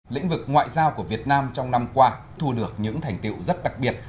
lĩnh vực ngoại giao của việt nam trong năm qua thu được những thành tiệu rất đặc biệt